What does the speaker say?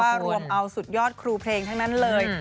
เพราะว่ารวมเอาสุดยอดครูเพลงทั้งนั้นเลย